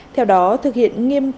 theo đó thực hiện nghiêm cố